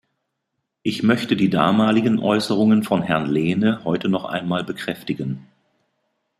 Ich möchte die damaligen Äußerungen von Herrn Lehne heute noch einmal bekräftigen.